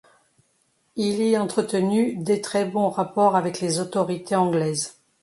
Il y entretenu des très bons rapports avec les autorités anglaises.